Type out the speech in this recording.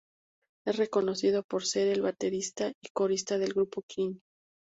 Es reconocido por ser el baterista y corista del grupo Queen.